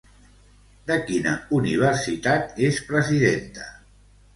De quina universitat és presidenta?